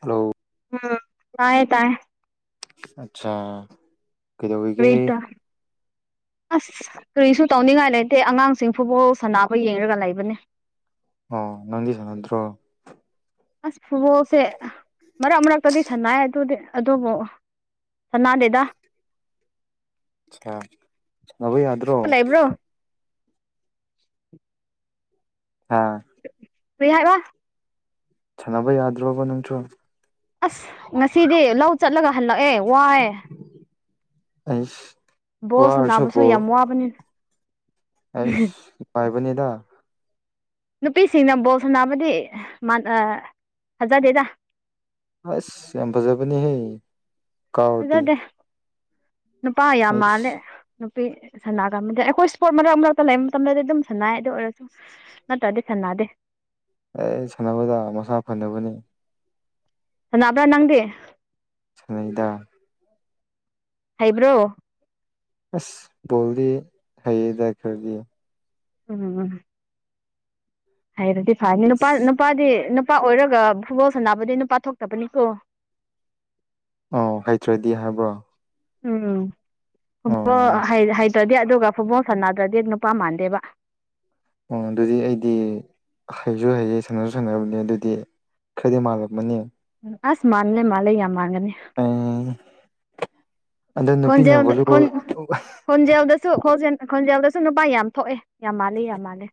hello ꯎꯝ ꯍꯥꯏ ꯇꯥꯏ ꯑꯆꯥ ꯀꯩꯗꯔꯤꯒꯦ ꯀꯔꯤꯇ ꯑꯁ ꯀꯔꯤꯁꯨ ꯇꯧꯅꯤꯡꯉꯥꯏ ꯂꯩꯇꯦ ꯑꯉꯥꯡꯁꯤꯡ ꯐꯨꯠꯕꯣꯜ ꯁꯥꯟꯅꯕ ꯌꯦꯡꯒ ꯂꯩꯕꯅꯦ ꯑꯣ ꯅꯪꯗꯤ ꯁꯅꯗꯔꯣ ꯑꯁ ꯐꯨꯠꯕꯣꯜꯁꯦ ꯃꯔꯛ ꯃꯔꯛꯇꯒꯤ ꯁꯥꯟꯅꯏ ꯑꯗꯨꯗꯤ ꯑꯗꯨꯕꯨ ꯁꯅꯥꯗꯦꯗ ꯑ ꯁꯥꯅꯕꯥ ꯌꯥꯗ꯭ꯔꯣ ꯂꯩꯕ꯭ꯔꯣ ꯍꯥꯥ ꯀꯔꯤ ꯍꯥꯏꯕꯥ ꯁꯥꯅꯕ ꯌꯥꯗꯔꯣꯕꯥ ꯅꯪꯁꯨꯣ ꯑꯁ ꯉꯁꯤꯗꯤ ꯂꯧ ꯆꯠꯂꯒ ꯍꯜꯂꯛꯑꯦ ꯋꯥꯏ ꯑꯁ ꯕꯣꯁ ꯅꯥꯕꯁꯨ ꯌꯥꯝ ꯋꯥꯕꯅꯤ ꯑꯦꯁ ꯄꯥꯏꯕꯅꯤꯗ ꯅꯨꯄꯤꯁꯤꯡꯅ ꯕꯣꯜ ꯁꯥꯟꯅꯕꯗꯤ ꯐꯖꯗꯦꯗ ꯑꯁ ꯌꯥꯝ ꯐꯖꯕꯅꯤ ꯍ ꯀꯥꯎꯔꯗꯤ ꯐꯖꯗꯦ ꯅꯨꯄꯥ ꯌꯥꯝ ꯃꯥꯜꯂꯦ ꯑꯩꯁ ꯅꯨꯄꯤ ꯁꯅꯥ ꯀꯃꯗ ꯑꯩꯈꯣꯏ ꯏꯁꯄꯣꯔꯠ ꯃꯔꯛ ꯃꯔꯛꯇ ꯂꯩꯕ ꯃꯇꯝꯗꯗꯤ ꯑꯗꯨꯝ ꯁꯥꯟꯅꯏ ꯑꯗꯨ ꯑꯣꯏꯔꯁꯨ ꯅꯠꯇ꯭ꯔꯗꯤ ꯅꯥꯗꯦ ꯑꯩ ꯁꯥꯟꯅꯕꯗ ꯃꯁꯥ ꯐꯅꯕꯅꯤ ꯁꯥꯅꯕ꯭ꯔ ꯅꯪꯗꯦ ꯁꯑꯅꯩꯗꯗꯥ ꯍꯥꯏꯩꯕ꯭ꯔꯣ ꯑꯁ ꯕꯣꯜꯗꯤ ꯍꯥꯏꯌꯦꯗꯔ ꯈꯔꯗꯤ ꯎꯝ ꯍꯥꯏꯔꯗꯤ ꯐꯅꯤ ꯅꯨꯄꯥ ꯅꯨꯄꯥꯗꯤ ꯅꯨꯄꯥ ꯑꯣꯏꯔꯒ ꯐꯨꯠꯕꯣꯜ ꯁꯥꯟꯅꯕꯗꯤ ꯅꯨꯄꯥ ꯊꯣꯛꯇꯕꯅꯤꯀꯣ ꯑꯣ ꯍꯩꯇ꯭ꯔꯗꯤ ꯍꯥꯏꯕ꯭ꯔꯣ ꯎꯝ ꯍ ꯑꯣ ꯍꯥꯏ ꯍꯥꯏ ꯇ꯭ꯔꯗꯤ ꯑꯗꯨꯒ ꯐꯨꯠꯕꯣꯜ ꯁꯥꯟꯅꯗ꯭ꯔꯗꯤ ꯅꯨꯄꯥ ꯃꯥꯟꯗꯦꯕ ꯑꯣ ꯑꯗꯨꯗꯤ ꯑꯩꯗꯤ ꯍꯩꯁꯨ ꯍꯩꯌꯦ ꯁꯥꯟꯅꯁꯨ ꯁꯥꯟꯅꯕꯅꯦ ꯑꯗꯨꯗꯤ ꯈꯗꯤ ꯃꯥꯜꯂꯛꯃꯅꯤ ꯑꯁ ꯃꯥꯥꯟꯂ ꯃꯥꯥꯟꯂꯦ ꯌꯥꯝ ꯃꯥꯥꯡꯒꯅꯤ ꯑꯩ ꯑꯗꯣ ꯅꯨꯄꯤꯅ ꯚꯣꯂꯤꯕꯣꯜ ꯈꯣꯟꯖꯦꯣꯟꯖꯦꯗ ꯁꯨ ꯈꯦꯜ ꯈꯣꯟꯖꯦꯜꯗꯁꯨ ꯅꯨꯄꯥ ꯌꯥꯝ ꯊꯣꯛꯑꯦ ꯌꯥꯝ ꯃꯥꯜꯂꯦ ꯌꯥꯝ ꯃꯥꯂꯦ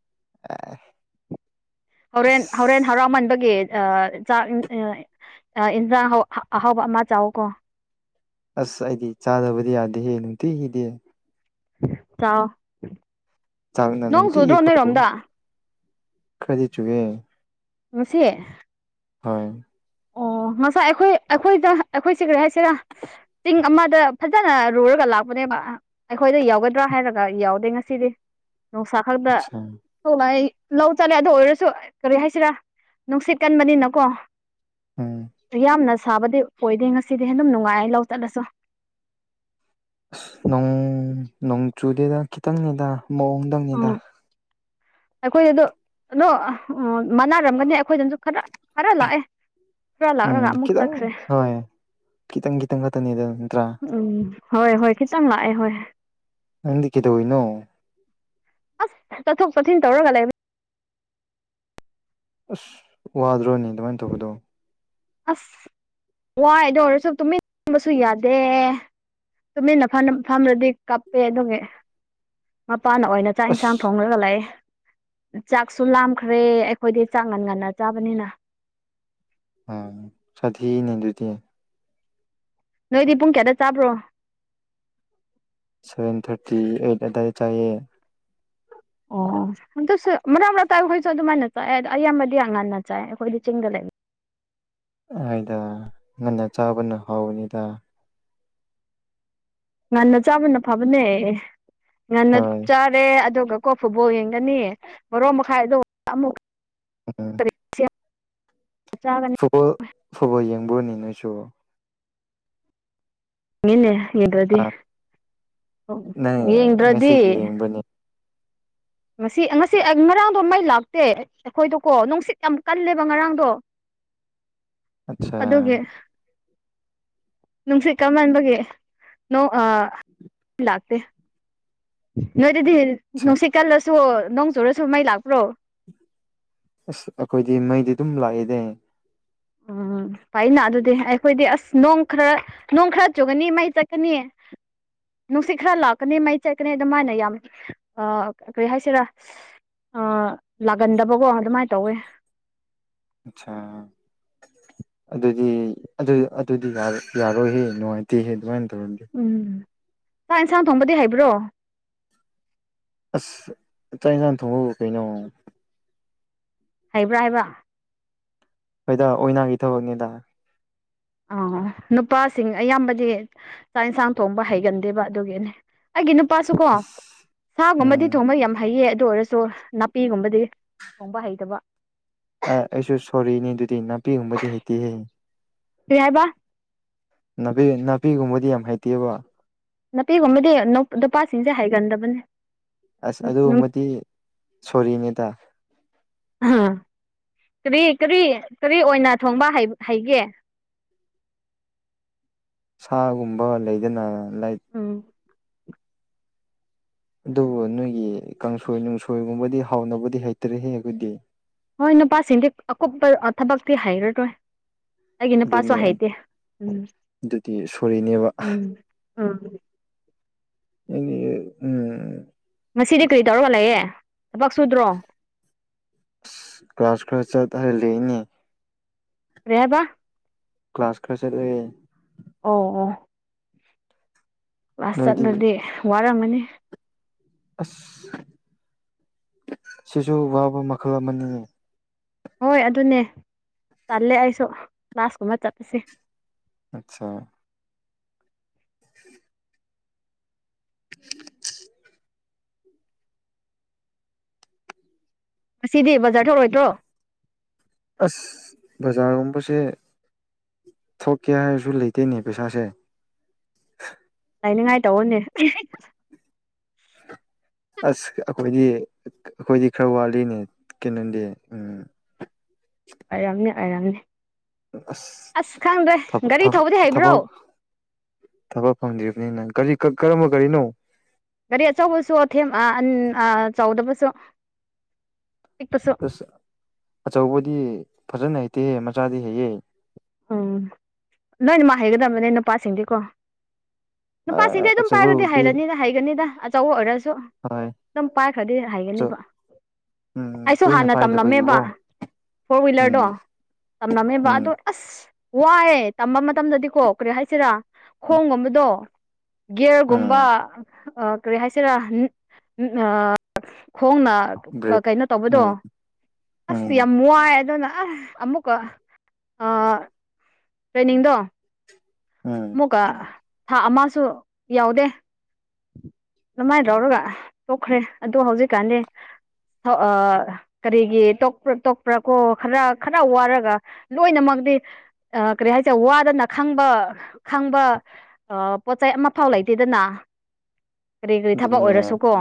ꯍꯣꯔꯦꯟ ꯍꯣꯔꯦꯟ ꯑꯁ ꯍꯔꯥꯎꯃꯟꯕꯒꯤꯦ ꯆꯥꯛ ꯏꯟꯁꯥꯡ ꯑꯍꯥꯎꯕ ꯑꯃ ꯆꯥꯎꯀꯣ ꯑꯁ ꯑꯩꯗꯤ ꯆꯥꯗꯕꯗꯤ ꯌꯥꯗꯦꯍꯦ ꯅꯨꯡꯇꯤ ꯍꯗꯦ ꯆꯥꯎ ꯆꯥꯛꯅ ꯅꯣꯡ ꯁꯨꯗ꯭ꯔꯣ ꯅꯣꯏꯔꯣꯝꯗ ꯈꯗꯤ ꯆꯨꯒꯦ ꯃꯁꯤꯁꯦ ꯍꯥꯏꯣꯏ ꯉꯁꯥꯏ ꯑꯩꯈꯣꯏ ꯑꯩꯈꯣꯏꯗ ꯑꯩꯈꯣꯏ ꯁꯤ ꯀꯔꯤ ꯍꯥꯏꯁꯤꯔ ꯆꯤꯡ ꯑꯃꯗ ꯐꯖꯅ ꯔꯨꯔꯒ ꯂꯥꯛꯄꯅꯦꯕ ꯑꯩꯈꯣꯏꯗ ꯌꯥꯎꯒꯗ꯭ꯔꯥ ꯍꯥꯏꯔꯒ ꯌꯥꯎꯗꯦ ꯉꯁꯤꯗꯤ ꯅꯨꯡꯁꯥ ꯈꯪꯗ ꯑꯆꯥ ꯊꯣꯛꯂꯥꯛ ꯑꯩ ꯂꯧ ꯆꯠꯂꯦ ꯑꯗꯨ ꯑꯣꯏꯔꯁꯨ ꯀꯔꯤ ꯍꯥꯏꯁꯤꯔꯥ ꯅꯨꯡꯁꯤꯠ ꯀꯟꯕꯅꯤꯅꯀꯣ ꯎꯝ ꯌꯥꯝꯅ ꯁꯥꯕꯗꯤ ꯑꯣꯏꯗꯦ ꯉꯁꯤꯗꯤ ꯑꯗꯨꯝ ꯅꯨꯡꯉꯥꯏ ꯂꯧ ꯆꯠꯂꯁꯨ ꯅꯣꯡ ꯅꯣꯡ ꯆꯨꯗꯦꯗ ꯈꯤꯇꯪꯅꯤꯗ ꯃꯑꯣꯡꯗꯪꯅꯦꯗ ꯑꯩꯈꯣꯏꯗꯗ ꯑꯗꯨꯣ ꯎ ꯃꯥꯟꯅꯔꯝꯒꯅꯤ ꯑꯩꯈꯣꯏꯗꯅꯁꯨ ꯈꯔ ꯈꯔ ꯂꯥꯛꯑꯦ ꯈꯔ ꯎꯝ ꯂꯥꯛꯂꯒ ꯑꯃꯨꯛ ꯈꯤꯇꯪ ꯆꯠꯈ꯭ꯔꯦ ꯍꯣꯏ ꯈꯤꯇꯪ ꯈꯤꯇꯪ ꯈꯛꯇꯅꯤꯗ ꯅꯇ꯭ꯔꯥ ꯎꯝ ꯍꯣꯏ ꯍꯣꯏ ꯈꯤꯇꯪ ꯂꯥꯛꯑꯦ ꯍꯣꯏ ꯅꯗꯤ ꯀꯦꯗꯧꯕꯅꯣ ꯑꯁ ꯆꯠꯊꯣꯛ ꯆꯠꯁꯤꯟ ꯇꯧꯔꯒ ꯂꯩꯕ ꯑꯁ ꯋꯥꯗ꯭ꯔꯣꯅꯦ ꯑꯗꯨꯃꯥꯏꯅ ꯇꯧꯕꯗꯣ ꯑꯁ ꯋꯥꯏꯗꯣ ꯑꯣꯏꯔꯁꯨ ꯇꯨꯃꯤꯟ ꯇꯕꯁꯨ ꯌꯥꯗꯦ ꯇꯨꯃꯤꯟꯅ ꯐ ꯐꯝꯔꯗꯤ ꯀꯥꯞꯄꯦ ꯑꯗꯨꯒꯤ ꯃꯄꯥꯅ ꯑꯣꯏꯅ ꯆꯥꯛ ꯏꯟꯁꯥꯡ ꯑꯁ ꯊꯣꯡꯉꯒ ꯂꯥꯛꯑꯦ ꯆꯥꯛꯁꯨ ꯂꯥꯝꯈ꯭ꯔꯦ ꯑꯩꯈꯣꯏꯗꯤ ꯆꯥꯛ ꯉꯟ ꯉꯟꯅ ꯆꯥꯕꯅꯤꯅ ꯑ ꯁꯥꯊꯤꯅꯦ ꯑꯗꯨꯗꯤ ꯅꯣꯏꯗꯤ ꯄꯨꯡ ꯀꯌꯥꯗ ꯆꯥꯕ꯭ꯔꯣ ꯁꯚꯦꯟ ꯊꯥꯔꯇꯤ ꯑꯩꯠ ꯑꯗꯥꯏꯗ ꯆꯥꯏꯌꯦ [inaudible] ꯑꯣ ꯑꯗꯨꯁꯨ ꯃꯔꯛ ꯃꯔꯛꯇꯥ ꯑꯩꯈꯣꯏꯁꯨ ꯑꯗꯨꯃꯥꯏꯅ ꯆꯥꯏꯌꯦ ꯑꯗ ꯑꯌꯥꯝꯕꯗꯤ ꯉꯟꯅ ꯆꯥꯏ ꯑꯩꯈꯣꯏꯗꯤ ꯆꯤꯡꯗ ꯂꯩꯕ ꯑꯩꯗ ꯉꯟꯅ ꯆꯥꯕꯅ ꯍꯥꯎꯅꯤꯗ ꯉꯟꯅ ꯆꯥꯕꯅ ꯐꯕꯅꯦ ꯉꯟꯅ ꯍꯣꯏ ꯆꯥꯔꯦ ꯑꯗꯨꯒ ꯀꯣ ꯐꯨꯠꯕꯣꯜ ꯌꯦꯡꯒꯅꯤ ꯚꯥꯔꯣ ꯃꯈꯥꯏꯗꯣ ꯑꯃꯨꯛ ꯑ ꯆꯥꯒꯅꯤ ꯐꯨꯠꯕꯣꯜ ꯐꯨꯠꯕꯣꯜ ꯌꯦꯡꯕꯨꯔꯅꯦ ꯅꯣꯏꯁꯨ ꯃꯤꯅꯦ ꯌꯦꯡꯗ꯭ꯔꯗꯤ ꯑꯥ ꯅꯪ ꯌꯦꯡꯗ꯭ꯔꯗꯤ ꯉꯁꯤꯒꯤ ꯌꯦꯡꯕꯅꯤ ꯉꯁꯤ ꯉꯁꯤ ꯉꯔꯥꯡꯗꯣ ꯃꯩ ꯂꯥꯛꯇꯦ ꯑꯩꯈꯣꯏꯗꯀꯣ ꯅꯨꯡꯁꯤꯠ ꯌꯥꯝ ꯀꯜꯂꯦꯕ ꯉꯔꯥꯡꯗꯣ [inaudible] ꯑꯠꯆꯥ ꯑꯗꯨꯒꯤ ꯑ ꯅꯨꯡꯁꯤꯠ ꯀꯟꯃꯟꯕꯒꯤ ꯃꯩ ꯂꯥꯛꯇꯦ ꯅꯣꯏꯗꯗꯤ ꯅꯨꯡꯁꯤꯠ ꯀꯜꯂꯁꯨ ꯅꯣꯡ ꯆꯨꯔꯁꯨ ꯃꯩ ꯂꯥꯛꯄ꯭ꯔꯣ ꯑꯁ ꯑꯩꯈꯣꯏꯗꯤ ꯃꯩꯗꯤ ꯑꯗꯨꯝ ꯂꯥꯛꯑꯦꯅꯦ ꯎꯝ ꯐꯩꯅ ꯑꯗꯨꯗꯤ ꯑꯩꯈꯣꯏꯗꯤ ꯑꯁ ꯅꯣꯡ ꯈꯔ ꯅꯣꯡ ꯈꯔ ꯆꯨꯒꯅꯤ ꯃꯩ ꯇꯠꯀꯅꯤ ꯅꯨꯡꯁꯤꯠ ꯈꯔ ꯂꯥꯛꯀꯅꯤ ꯃꯩ ꯆꯠꯀꯅꯤ ꯑꯗꯨꯃꯥꯏꯅ ꯌꯥꯝ ꯀꯔꯤ ꯍꯥꯏꯁꯤꯔꯥ ꯂꯥꯛꯒꯟꯗꯕꯀꯣ ꯑꯗꯨꯃꯥꯏꯅ ꯇꯧꯋꯦ ꯑꯁꯥ ꯑꯗꯨꯗꯤ ꯑꯗꯨ ꯑꯗꯨꯗꯤ ꯌꯥꯔꯣꯏꯍꯦ ꯅꯨꯡꯉꯥꯏꯇꯦꯍꯦ ꯑꯗꯨꯃꯥꯏꯅ ꯇꯧꯔꯗꯤ ꯎꯝ ꯆꯥꯛ ꯌꯦꯟꯁꯥꯡ ꯊꯣꯡꯕꯗꯤ ꯍꯩꯕ꯭ꯔꯣ ꯑꯁ ꯆꯥꯛ ꯏꯟꯁꯥꯡ ꯊꯣꯡꯕꯕꯨꯗꯤ ꯀꯩꯅꯣ ꯍꯩꯕ꯭ꯔꯥ ꯍꯥꯏꯕ꯭ꯔꯥ ꯍꯣꯏꯗ ꯑꯣꯏꯅꯥꯒꯤ ꯊꯕꯛꯅꯤꯗ [inaudible] ꯑꯣ ꯅꯨꯄꯥꯁꯤꯡ ꯑꯌꯥꯝꯕꯗꯤ ꯆꯥꯛ ꯌꯦꯟꯁꯥꯡ ꯊꯣꯡꯕ ꯍꯩꯒꯟꯗꯦꯕ ꯑꯗꯨꯒꯤꯅꯦ ꯑꯩꯒꯤ ꯅꯨ ꯄꯥꯁꯨ ꯀꯣ ꯁꯥꯒꯨꯝꯕꯗꯤ ꯎꯝ ꯊꯣꯡꯕ ꯌꯥꯝ ꯍꯩꯌꯦ ꯑꯗꯨ ꯑꯣꯏꯔꯁꯨ ꯅꯥꯄꯤꯒꯨꯝꯕꯗꯤ ꯊꯣꯡꯕ ꯍꯩꯇꯕ ꯑ ꯑꯩꯁꯨ ꯁꯣꯔꯤꯅꯤ ꯑꯗꯨꯗꯤ ꯅꯥꯄꯤꯒꯨꯝꯕꯗꯤ ꯍꯦꯇꯦ ꯍꯦ ꯀꯔꯤ ꯍꯥꯏꯕ ꯅꯥꯄꯤ ꯅꯥꯄꯤꯒꯨꯝꯕꯗꯤ ꯌꯥꯝ ꯍꯩꯇꯦꯕ ꯅꯥꯄꯤꯒꯨꯝꯕꯗꯤ ꯅꯨꯄꯥꯁꯤꯡꯁꯦ ꯍꯥꯏꯒꯟꯗꯕꯅꯦ ꯑꯁ ꯑꯗꯨꯃꯗꯤ ꯁꯣꯔꯤꯅꯤꯗ [inaudible] ꯀꯔꯤ ꯀꯔꯤ ꯀꯔꯤ ꯑꯣꯏꯅ ꯊꯣꯡꯕ ꯍꯩꯒꯦ ꯁꯥꯒꯨꯝꯕ ꯂꯩꯗꯅ ꯂꯥꯏ ꯎꯝ ꯑꯗꯨꯕꯨ ꯅꯣꯏꯒꯤ ꯀꯥꯡꯁꯣꯏ ꯅꯨꯡꯁꯣꯏꯒꯨꯝꯕꯗꯤ ꯍꯥꯎꯅꯕꯗꯤ ꯍꯩꯇ꯭ꯔꯦꯍꯦ ꯑꯩꯈꯣꯏꯗꯤ ꯍꯣꯏ ꯅꯨꯄꯥꯁꯤꯡꯗꯤ ꯑꯀꯨꯞꯄ ꯊꯕꯛꯇꯤ ꯍꯩꯔꯔꯣꯏ ꯑꯩꯒꯤ ꯑꯗꯨꯅꯤ ꯅꯨꯄꯥꯁꯨ ꯍꯩꯇꯦ ꯎꯝ ꯑꯗꯨꯗꯤ ꯁꯣꯔꯤꯅꯦꯕ ꯎꯝ ꯎꯝ ꯎꯝ ꯉꯁꯤꯗꯤ ꯀꯔꯤ ꯇꯧꯔꯒ ꯂꯩꯥꯑꯦ ꯊꯕꯛ ꯁꯨꯗ꯭ꯔꯣ ꯑꯁ ꯀ꯭ꯂꯥꯁ ꯈꯔ ꯆꯠ ꯍꯠꯂꯛꯏꯅꯦ ꯀꯔꯤ ꯍꯥꯏꯕ ꯀ꯭ꯂꯥꯁ ꯈꯔ ꯆꯠꯂꯦ ꯑꯣ ꯑꯣ ꯅꯣꯏꯗꯤ ꯋꯥꯆꯠꯂꯗꯤ ꯋꯥꯔꯝꯒꯅꯤ ꯑꯁ ꯁꯤꯁꯨ ꯋꯥꯕ ꯃꯈꯜ ꯑꯃꯅꯤ ꯍꯣꯏ ꯑꯗꯨꯅꯦ ꯆꯜꯂꯦ ꯑꯩꯁꯨ ꯀ꯭ꯂꯥꯁꯀꯨꯝꯕ ꯆꯠꯂꯁꯤ ꯑꯆꯥ [unintelligible] ꯉꯁꯤꯗꯤ ꯕꯖꯥꯔ ꯊꯣꯛꯔꯣꯏꯗ꯭ꯔꯣ ꯑꯁ ꯕꯖꯥꯔꯒꯨꯝꯕꯁꯦ ꯊꯣꯛꯀꯦ ꯍꯥꯏꯔꯁꯨ ꯂꯩꯇꯦꯅꯦ ꯄꯩꯁꯥꯁꯦ ꯂꯩꯅꯤꯡꯉꯥꯏ ꯇꯧꯑꯣꯅꯦ ꯑꯁ ꯑꯩꯈꯣꯏꯗꯤ ꯑꯩꯈꯣꯏꯗꯤ ꯈꯔ ꯋꯥꯠꯂꯤꯅꯦ ꯀꯩꯅꯣꯗꯤ ꯎꯝ ꯑꯣꯔꯝꯅꯤ ꯑꯣꯔꯝꯅꯤ ꯑꯁ ꯊ ꯒꯥꯔꯤ ꯊ ꯊꯧꯕꯗꯤ ꯍꯩꯕ꯭ꯔꯣ ꯊꯕꯛ ꯊꯕꯛ ꯐꯪꯗ꯭ꯔꯤꯕꯅꯤꯅ ꯀꯔꯤ ꯀꯔꯝꯕ ꯀꯒꯥꯔꯤꯅꯣ ꯒꯥꯔꯤ ꯑꯆꯧꯕꯁꯨ ꯑꯊꯦꯝ ꯑ ꯑꯟ ꯑ ꯆꯧꯗ ꯐꯁꯨ ꯑꯁ ꯑꯆꯧꯕꯗꯤ ꯐꯖꯅ ꯍꯩꯇꯦꯍꯦ ꯃꯆꯥꯗꯤ ꯍꯩꯑ ꯎꯝ ꯂꯣꯏꯅ ꯃꯥꯍꯩꯒꯗꯕꯅꯦ ꯅꯨꯄꯥꯁꯤꯡꯗꯤꯀꯣ ꯅꯨꯄꯥꯁꯤꯡꯗꯤ ꯑꯗꯨꯝ ꯄꯥꯏꯔꯗꯤ ꯑꯆꯧꯕꯕꯨꯗꯤ ꯍꯥꯏꯔꯅꯤꯅ ꯍꯥꯏꯒꯅꯤꯗ ꯑꯆꯧꯕ ꯑꯣꯏꯔꯁꯨ ꯍꯣꯏ ꯑꯗꯨꯝ ꯄꯥꯏꯈ꯭ꯔꯗꯤ ꯑꯆꯧ ꯍꯥꯏꯒꯅꯤꯕ ꯎꯝ ꯑꯩꯁꯨ ꯇꯣꯏꯅ ꯍꯥꯟꯅ ꯇꯝꯂꯝꯃꯦꯕ ꯄꯥꯏꯗꯕꯒꯤꯀꯣ ꯐꯣꯔ ꯍ꯭ꯋꯤꯂꯔꯗꯣ ꯎꯝ ꯇꯝꯂꯝꯃꯦꯕ ꯎꯝ ꯑꯗꯣ ꯑꯁ ꯋꯥꯏꯑꯦ ꯇꯝꯕ ꯃꯇꯝꯗꯗꯤꯀꯣ ꯀꯔꯤ ꯍꯥꯏꯁꯤꯔꯥ ꯈꯣꯡꯒꯨꯝꯕꯗꯣ ꯒꯤꯒꯌꯔꯒꯨꯝꯕ ꯎꯝ ꯀꯔꯤ ꯍꯥꯏꯁꯤꯔꯥ ꯊꯣꯡꯅ ꯕ꯭ꯔꯦꯛ ꯀꯩꯅꯣ ꯇꯧꯕꯗꯣ ꯎꯝ ꯑꯁ ꯎꯝ ꯌꯥꯝ ꯋꯥꯏ ꯑꯗꯨꯅ ꯑꯁ ꯑꯃꯨꯛꯀ ꯇ꯭ꯔꯦꯟꯅꯤꯡꯗꯣ ꯎꯝ ꯑꯃꯨꯛꯀ ꯊꯥ ꯑꯃꯁꯨ ꯌꯥꯎꯗꯦ ꯑꯗꯨꯃꯥꯏꯅ ꯂꯧꯥꯎꯔꯒ ꯇꯣꯛꯈ꯭ꯔꯦ ꯑꯗ ꯍꯧꯖꯤꯛꯀꯥꯟꯗꯤ ꯀꯔꯤꯒꯤ ꯇꯣꯛꯄ꯭ꯔꯥ ꯇꯣꯛꯄ꯭ꯔꯥ ꯀꯣ ꯈꯔ ꯈꯔ ꯋꯥꯔꯒ ꯂꯣꯏꯅꯃꯛ ꯑꯗꯨꯗꯤ ꯀꯔꯤ ꯍꯥꯏꯁꯦ ꯋꯥꯗꯅ ꯈꯪꯕ ꯈꯪꯕ ꯄꯣꯠꯆ ꯆꯩ ꯑꯃꯐꯥꯎ ꯂꯩꯇꯦꯗꯅ ꯀꯔꯤ ꯀꯔꯤ ꯊꯕꯛ ꯑꯗꯨꯅꯦ ꯑꯣꯏꯔꯁꯨ ꯀꯣ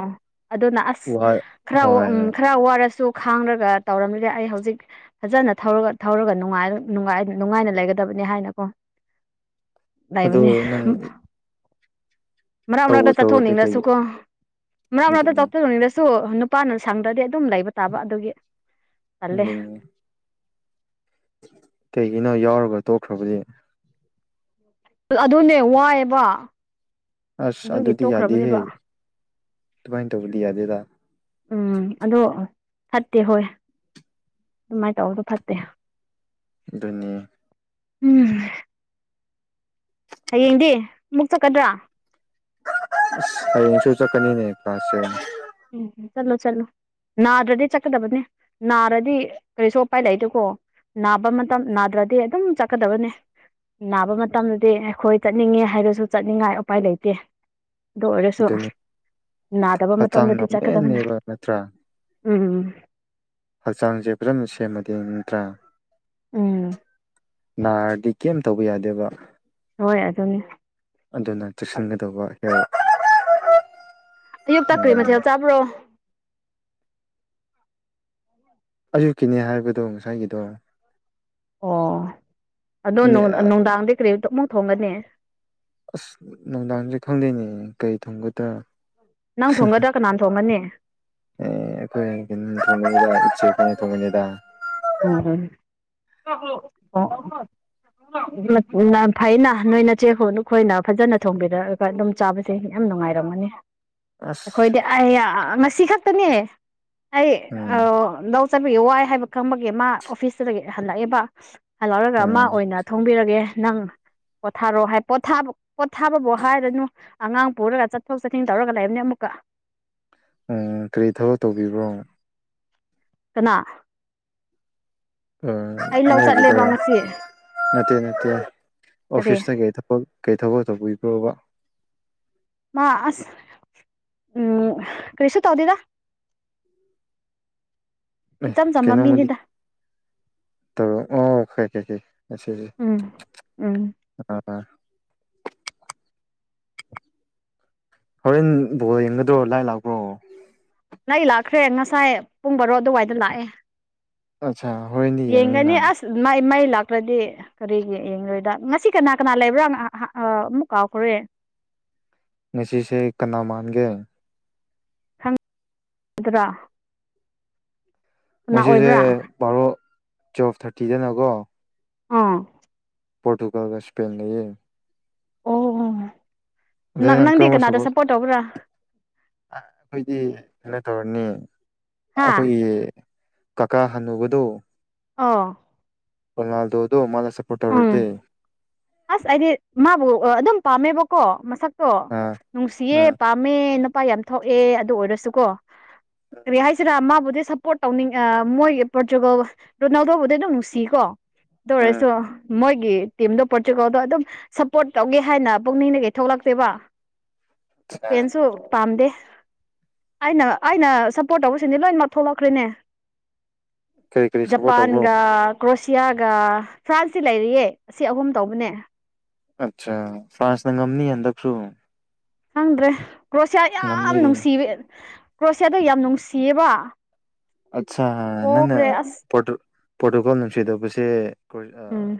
ꯑꯗꯨꯅ ꯑꯁ ꯋꯥ ꯈꯔ ꯍꯣꯏ ꯎꯝ ꯈꯔ ꯋꯥꯔꯁꯨ ꯈꯥꯡꯔꯒ ꯇꯧꯔꯝꯃꯤꯗꯦ ꯑꯩ ꯍꯧꯖꯤꯛ ꯐꯖꯅ ꯊꯧꯔꯒ ꯊꯧꯔꯒ ꯅꯨꯡꯉꯥꯏꯅ ꯂꯩꯒꯗꯕꯅꯤ ꯅꯦ ꯍꯥꯏꯅꯀꯣ [unintelligible] ꯑꯗꯨ ꯂꯩꯥꯏꯕꯅꯤ ꯅꯪ ꯃꯔꯛ ꯇꯧꯕ ꯃꯔꯛꯇ ꯇꯧꯔꯗꯤ ꯀꯩ ꯆꯠꯊꯣꯛꯍꯅꯤꯡꯂꯁꯨ ꯀꯣ ꯃꯔꯛ ꯃꯔꯛꯇ ꯑꯗꯨꯅꯤ ꯆꯥꯎꯊꯣꯛꯍꯣꯛꯅꯤꯡꯂꯁꯨ ꯅꯨꯄꯥꯅ ꯁꯪꯗ꯭ꯔꯗꯤ ꯑꯗꯨꯝ ꯂꯩꯕ ꯇꯥꯕ ꯑꯗꯨꯒꯤ ꯄꯜꯂꯦ ꯑꯗꯨꯅꯤ ꯀꯩꯒꯤꯅꯣ ꯌꯥꯎꯔꯒ ꯇꯣꯛꯈ꯭ꯔꯕꯗꯤ ꯑꯗꯨꯅꯦ ꯋꯥꯏꯑꯦꯕ ꯑꯁ ꯑꯗꯨ ꯑꯗꯨꯒꯤ ꯑꯗꯨꯗꯤ ꯌꯥꯗ ꯍꯦ ꯇꯣꯛꯈ꯭ꯔꯕꯅꯦꯕ ꯇꯨꯃꯥꯏꯅ ꯇꯧꯧꯕꯂꯤꯌꯥ ꯌꯥꯗꯦꯗꯥ ꯎꯝ ꯑꯗꯣ ꯐꯠꯇꯦ ꯍꯣꯏ ꯑꯗꯨꯃꯥꯏꯅ ꯇꯧꯕꯗꯣ ꯐꯠꯇꯦ ꯑꯗꯨꯅꯤ ꯎꯝ ꯍꯌꯦꯡꯗꯤ ꯑꯃꯨꯛ ꯆꯠꯀꯗ꯭ꯔꯥ ꯑ ꯑꯩꯌꯦꯡꯁꯨ ꯆꯀꯅꯤꯅꯦ ꯄꯥꯁꯦ ꯎꯝ ꯆꯂꯣ ꯆꯂꯣ ꯅꯥꯗ꯭ꯔꯗꯤ ꯆꯠꯀꯗꯕꯅꯤ ꯅꯥꯔꯗꯤ ꯀꯔꯤꯁꯨ ꯑꯄꯥꯏ ꯂꯩꯗꯀꯣ ꯅꯥꯕ ꯃꯇꯝ ꯅꯥꯗ꯭ꯔꯗꯤ ꯑꯗꯨꯝ ꯆꯠꯀꯗꯕꯅꯦ ꯅꯥꯕ ꯃꯇꯝꯗꯗꯤ ꯑꯩꯈꯣꯏ ꯆꯠꯅꯤꯡꯉꯦ ꯍꯥꯏꯔꯁꯨ ꯆꯠꯅꯤꯡꯉꯥꯏ ꯎꯄꯥꯏ ꯂꯩꯇꯦ ꯑꯗꯨ ꯑꯣꯏꯔꯁꯨ ꯑꯗꯨꯅꯤ ꯅꯥꯗꯕ ꯍꯛꯆꯥꯡ ꯃꯇꯝꯗꯗꯤ ꯆꯠꯀꯗꯕꯅꯤ ꯉꯝꯃꯦꯟꯅꯦꯕ ꯅꯠꯇ꯭ꯔꯥ ꯎꯝ ꯍꯛꯆꯥꯡꯁꯦ ꯐꯖꯅ ꯁꯦꯝꯃꯗꯤ ꯅꯠꯇ꯭ꯔꯥ ꯎꯝ ꯅꯥꯔꯗꯤ ꯀꯦꯝ ꯇꯧꯕ ꯌꯥꯗꯦꯕ ꯍꯣꯏ ꯑꯗꯨꯅꯤ ꯑꯗꯨꯅ ꯆꯦꯛꯁꯤꯟꯒꯗꯧꯕ ꯍꯦꯛꯔ ꯑꯌꯨꯛꯛꯇ ꯀꯔꯤ ꯃꯊꯦꯜ ꯆꯥꯕ꯭ꯔꯣ ꯑꯌꯨꯛꯀꯤꯅꯦ ꯍꯥꯏꯕꯗꯣ ꯉꯁꯥꯏꯒꯤꯗꯣ ꯑꯣ ꯑꯗꯣ ꯅꯦ ꯅꯨꯡꯗꯥꯡꯗꯤ ꯀꯔꯤꯇ ꯑꯃꯨꯛ ꯊꯣꯡꯒꯅꯤ ꯑꯁ ꯅꯨꯡꯗꯥꯡꯁꯦ ꯈꯪꯗꯣꯏꯅꯦ ꯀꯩ ꯊꯣꯡꯒꯗ꯭ꯔꯥ ꯅꯪ ꯊꯣꯡꯒꯗ꯭ꯔꯥ ꯀꯅꯥꯅ ꯊꯣꯡꯒꯅꯤ ꯑꯦ ꯑꯩꯣꯏ ꯀ ꯑꯣ ꯐꯩꯅ ꯅꯣꯏꯅ ꯆꯦ ꯍꯣ ꯅꯈꯣꯏꯅ ꯐꯖꯅ ꯊꯣꯡꯕꯤꯔꯛꯑꯒ ꯑꯗꯨꯝ ꯆꯥꯕꯁꯦ ꯌꯥꯝ ꯅꯨꯡꯉꯥꯏ ꯅꯨꯡꯉꯥꯏꯔꯝꯃꯅꯤ ꯑꯁ ꯑꯩꯈꯣꯏꯗꯤ ꯑꯩ ꯉꯁꯤ ꯈꯛꯇꯅꯦ ꯑꯩ ꯎꯝ ꯂꯧ ꯆꯠꯕꯒꯤ ꯋꯥꯏ ꯍꯥꯏꯕ ꯈꯪꯕꯒꯤ ꯃꯥ ꯑꯣꯐꯤꯁꯇꯨꯗꯒꯤ ꯍꯜꯂꯛꯑꯦꯕ ꯍ ꯂꯧꯥꯎꯔꯒ ꯑꯃ ꯎꯝ ꯑꯣꯏꯅ ꯊꯣꯡꯕꯤꯔꯒꯦ ꯅꯪ ꯄꯣꯊꯥꯔꯣꯑꯣ ꯍꯥꯏ ꯄꯣꯊꯥ ꯄꯣꯊꯥꯕꯕꯨ ꯍꯥꯏꯔꯅꯨ ꯑꯉꯥꯡ ꯄꯨꯔꯒ ꯆꯠꯊꯣꯛ ꯆꯠꯁꯤꯟ ꯇꯧꯔꯒ ꯂꯩꯕꯅꯦ ꯑꯃꯨꯛꯀ ꯎ ꯀꯔꯤ ꯊꯕꯛ ꯇꯧꯕꯤꯕ꯭ꯔꯣ ꯀꯅꯥ ꯎꯝ ꯑꯩ ꯂꯧ ꯅꯒꯤꯗ ꯆꯠꯂꯦꯕ ꯉꯁꯤ ꯅꯠꯇꯦ ꯅꯠꯇꯦ ꯀꯔꯤ ꯑꯣꯐꯤꯁꯇ ꯀꯩ ꯊ ꯀꯩ ꯊꯕꯛꯧꯕ ꯔꯣꯕ ꯃꯥ ꯑꯁ ꯎꯝ ꯀ꯭ꯔꯤꯁ ꯇꯧꯗꯗ ꯏꯆꯝ ꯆꯝꯕ ꯀꯅꯃꯗꯤ ꯃꯤꯅꯤꯗ ꯇ ꯑꯣ ꯈꯦ ꯀꯦꯦ ꯁ ꯎꯝ ꯎꯝ ꯑ ꯍꯣꯔꯦꯟ ꯕꯣꯔꯣ ꯌꯦꯡꯒꯗ꯭ꯔꯣ ꯂꯥꯏ ꯂꯥꯛꯄ꯭ꯔꯣ ꯅ ꯂꯥꯛꯈ꯭ꯔꯦ ꯉꯁꯥꯏ ꯄꯨꯡ ꯔꯣ ꯑꯗꯨꯋꯥꯏꯗ ꯂꯥꯛꯑꯦ ꯑꯠꯆꯥ ꯍꯣꯔꯦꯟꯗꯤ ꯌꯦꯡꯒꯅꯤ ꯌꯦꯡꯉꯅꯤꯅ ꯑꯁ ꯃ ꯃꯩ ꯂꯥꯛꯇ꯭ꯔꯗꯤ ꯀꯔꯤꯒꯤ ꯌꯦꯡꯣꯏꯗ ꯉꯁꯤ ꯀꯅꯥ ꯀꯅꯥ ꯂꯩꯕ꯭ꯔꯥ ꯑꯃꯨꯛ ꯀꯥꯎꯈ꯭ꯔꯦ ꯉꯁꯤꯁꯦ ꯀꯅꯥ ꯃꯥꯟꯒꯦ ꯄꯟꯗ꯭ꯔꯥ ꯃꯁꯤꯁꯦ ꯕꯥꯔꯣ ꯇꯨꯋꯦꯜꯐ ꯊꯥꯔꯇꯤꯗꯅꯀꯣ ꯑꯥ ꯄꯣꯣꯔꯇꯨꯒꯜꯒ ꯁꯄꯦꯟ ꯂꯩꯌꯦ ꯑꯣ ꯑꯣ ꯅꯪ ꯅꯪꯗꯤ ꯀꯅꯥꯗ ꯁꯞꯄꯣꯔꯠ ꯇꯧꯕ꯭ꯔꯥ ꯑꯩꯈꯣꯏꯗꯤ ꯀꯩꯅꯣ ꯇꯧꯔꯅꯤ ꯍꯥ ꯑꯩꯈꯣꯏꯒꯤ ꯀꯀꯥ ꯍꯟꯅꯕꯗꯨ ꯑꯥ ꯐꯜꯗ ꯃꯥ ꯎꯝ ꯑꯁ ꯍꯥꯏꯗꯤ ꯃꯥꯕꯨ ꯑꯗꯨꯝ ꯄꯥꯝꯃꯦꯕꯀꯣ ꯃꯁꯛ ꯀꯣ ꯑꯥ ꯅꯨꯡꯁꯤꯌꯦ ꯑꯥ ꯄꯥꯝꯃꯦ ꯅꯨꯄꯥ ꯌꯥꯝ ꯊꯣꯛꯑꯦ ꯑꯗꯨ ꯑꯣꯏꯔꯁꯨꯀꯣ ꯔꯤ ꯍꯥꯏꯥꯏꯁꯤꯔ ꯑꯃꯕꯨ ꯁꯞꯄꯣꯔꯠ ꯇꯧꯅꯤꯡ ꯃꯣꯏ ꯄꯣꯔꯇꯨꯒꯜ ꯔꯣꯅꯥꯜꯗꯣꯕꯨꯗ ꯑꯗꯨꯝ ꯅꯨꯡꯁꯤꯀꯣ ꯑꯗꯨꯔ ꯎꯝ ꯃꯣꯏꯒꯤ ꯇꯤꯝꯗꯣ ꯄꯣꯔꯇꯨꯒꯜꯗꯣ ꯑꯗꯨꯝ ꯁꯞꯄꯣꯔꯠ ꯇꯧꯒꯦ ꯍꯥꯏꯅ ꯄꯨꯛꯅꯤꯡꯅ ꯀꯩꯊꯂꯛꯇꯦꯕ ꯁꯦꯟꯁꯨ ꯄꯥꯝꯗꯦ ꯑꯩꯅ ꯑꯩꯅ ꯁꯞꯄꯣꯔꯠ ꯇꯧꯕꯁꯤꯗꯤ ꯂꯣꯏꯅꯃꯛ ꯊꯣꯛꯂꯛꯈ꯭ꯔꯦꯅꯦ ꯀꯔꯤ ꯀꯔꯤ ꯁꯞꯄꯣꯔꯠ ꯇꯧꯕ꯭ꯔꯣ ꯖꯄꯥꯟꯒ ꯀ꯭ꯔꯣꯁꯤꯌꯥꯒ ꯐ꯭ꯔꯥꯟꯁꯁꯤ ꯂꯩꯔꯤꯌꯦ ꯑꯁꯤ ꯑꯍꯨꯝ ꯇꯧꯕꯅꯦ ꯑꯆꯥ ꯐ꯭ꯔꯁꯅ ꯉꯝꯅꯤ ꯑꯗꯁꯨ ꯈꯪꯗ꯭ꯔꯦ ꯀ꯭ꯔꯣꯁꯤꯌꯥ ꯌꯥꯝ ꯅꯨꯡꯁꯤꯕ ꯀ꯭ꯔꯣꯁꯤꯌꯥꯗꯣ ꯌꯥꯝ ꯅꯨꯡꯁꯤꯌꯦꯕ ꯑꯠꯆꯥ ꯅꯪꯅ ꯄꯣꯈ꯭ꯔꯦ ꯑꯁ ꯄ꯭ꯔꯣꯇꯣꯀꯣꯜ ꯅꯨꯡꯁꯤꯗꯣꯛꯄꯁꯦ ꯎꯝ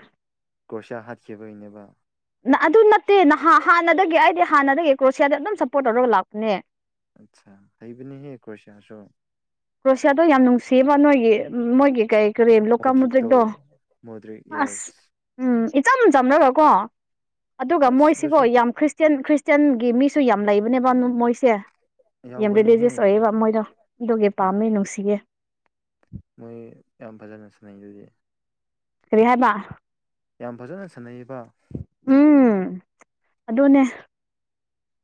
ꯨꯔꯁꯤ ꯍꯥꯦꯕ ꯏꯩꯅꯕ ꯑꯗꯨ ꯅꯠꯇꯦ ꯅ ꯍꯥꯟꯅꯗꯒꯤ ꯑꯩꯗꯤ ꯍꯥꯟꯅꯗꯒꯤ ꯀ꯭ꯔꯣꯁꯤꯌꯥꯗ ꯑꯗꯨꯝ ꯁꯞꯄꯣꯔꯠ ꯇꯧꯔꯒ ꯂꯥꯛꯄꯅꯦ ꯑꯆꯥ ꯍꯩ ꯄꯅꯦ ꯍꯦ ꯀꯣꯏꯁ ꯑꯁꯣ ꯀ꯭ꯔꯣꯁꯤꯌꯥꯗꯣ ꯌꯥꯝ ꯅꯨꯡꯁꯤꯕ ꯅꯣꯏꯒꯤ ꯅꯣꯏꯒꯤ ꯀꯩ ꯀꯔꯤ ꯂꯣꯀꯥ ꯃꯣꯗ꯭ꯔꯤꯛꯇꯣ ꯃꯨꯗ꯭ꯔꯤꯛꯇꯣ ꯃꯣꯗ꯭ꯔꯤꯛ ꯑꯁ ꯌꯦꯁ ꯎꯝ ꯏꯆꯝ ꯆꯝꯅꯒ ꯀꯣ ꯑꯗꯨꯒ ꯑꯁ ꯃꯣꯏꯁꯤꯒꯣ ꯑꯗꯨꯁꯨ ꯌꯥꯝ ꯈ꯭ꯔꯤꯁꯇ ꯈ꯭ꯔꯤꯆꯟꯒꯤ ꯃꯤꯁꯨ ꯌꯥꯝ ꯂꯩꯕꯅꯦꯕ ꯃꯣꯏꯁꯦ ꯌꯥꯝ ꯌꯥꯎꯕꯅꯤꯍꯦ ꯔꯤꯂꯤꯖꯤꯁ ꯑꯣꯏꯌꯦꯕ ꯃꯣꯏꯗꯣ ꯑꯗꯨꯒꯤ ꯄꯥꯝꯃꯤ ꯎꯝ ꯅꯨꯡꯁꯤꯌꯦ ꯃꯣꯏ ꯌꯥꯝ ꯐꯖꯅ ꯁꯥꯟꯅꯩ ꯑꯗꯨꯗꯤ ꯔꯤꯍꯥꯏ ꯃꯥ ꯌꯥꯝ ꯐꯖꯅ ꯁꯅ ꯎꯝ ꯑꯗꯨꯅꯦ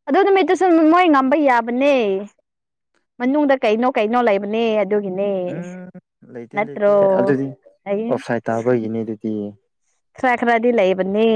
ꯑꯗꯨ ꯅꯨꯃꯤꯠꯇꯨꯁꯨ ꯃꯣꯏ ꯉꯝꯕ ꯌꯥꯕꯅꯦ ꯃꯅꯨꯡꯗ ꯀꯩꯅꯣ ꯀꯩꯅꯣ ꯂꯩꯕꯅꯦ ꯑꯗꯨꯒꯤꯅꯦ ꯎꯝ ꯂꯩꯇꯦ ꯂꯩꯇꯦ ꯅꯠꯇ꯭ꯔꯣ ꯑꯗꯨꯗꯤ ꯑꯩ ꯑꯣꯞ ꯁꯥꯏꯠ ꯇꯥꯕꯒꯤꯅꯤ ꯑꯗꯨꯗꯤ ꯁꯥꯈ꯭ꯔꯗꯤꯂꯕꯅꯤ